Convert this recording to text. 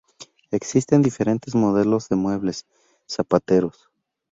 Existen diferentes modelos de muebles zapateros.